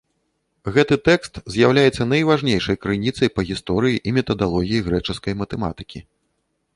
Гэты тэкст з'яўляецца найважнейшай крыніцай па гісторыі і метадалогіі грэчаскай матэматыкі.